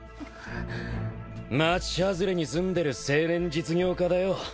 町外れに住んでる青年実業家だよ。